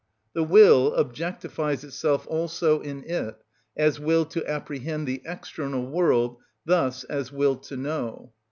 The will objectifies itself also in it, as will to apprehend the external world, thus as will to know.